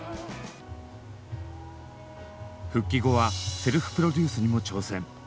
復帰後はセルフプロデュースにも挑戦。